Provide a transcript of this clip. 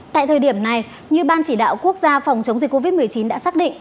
tại thời điểm này như ban chỉ đạo quốc gia phòng chống dịch covid một mươi chín đã xác định